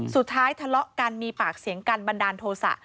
ทะเลาะกันมีปากเสียงกันบันดาลโทษะ